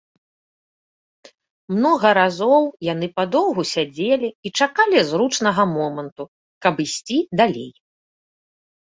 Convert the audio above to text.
Многа разоў яны падоўгу сядзелі і чакалі зручнага моманту, каб ісці далей.